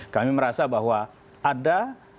kami merasa bahwa ada